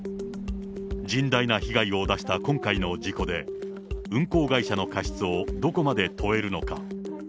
甚大な被害を出した今回の事故で、運航会社の過失をどこまで問えるのか。